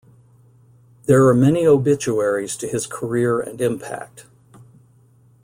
There are many obituaries to his career and impact.